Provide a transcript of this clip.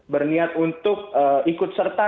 berniat untuk ikut serta